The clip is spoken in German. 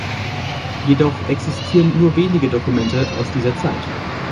Jedoch existieren nur wenige Dokumente aus dieser Zeit.